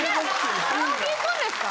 カラオケ行くんですか。